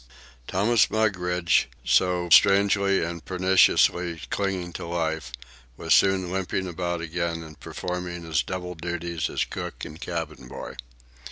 Thomas Mugridge, so strangely and pertinaciously clinging to life, was soon limping about again and performing his double duties of cook and cabin boy.